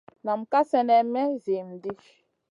Nam ka slenè may zihim ɗi.